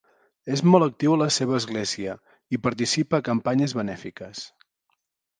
És molt actiu a la seva església i participa a campanyes benèfiques.